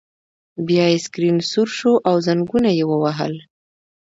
بیا یې سکرین سور شو او زنګونه یې ووهل